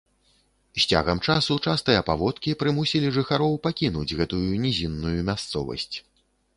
З цягам часу частыя паводкі прымусілі жыхароў пакінуць гэтую нізінную мясцовасць.